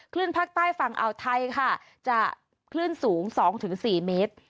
ภาคใต้ฝั่งอ่าวไทยค่ะจะคลื่นสูง๒๔เมตร